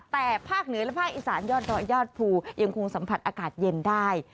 แต่ภาคเหนือและภาคอีสานยอดดอยยอดภูยังคงสัมผัสอากาศเย็นได้